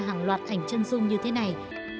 hàng loạt ảnh chân dung như thế này